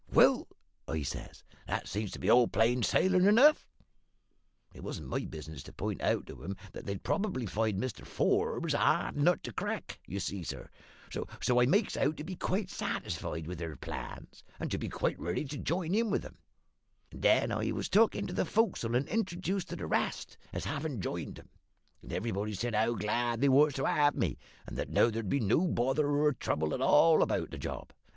"`Well,' I says, `that seems to be all plain sailin' enough.' It wasn't my business to point out to 'em that they'd prob'ly find Mr Forbes a hard nut to crack, you see, sir; so I makes out to be quite satisfied with their plans, and to be quite ready to join in with 'em; and then I was took into the fo'c's'le and introjuced to the rest as havin' joined 'em, and everybody said how glad they was to have me, and that now there'd be no bother or trouble at all about the job.